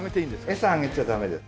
エサはあげちゃダメです。